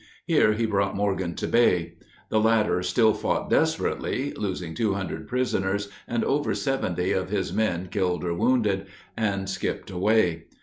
Here he brought Morgan to bay. The latter still fought desperately, losing 200 prisoners, and over 70 of his men killed or wounded, and skipped away.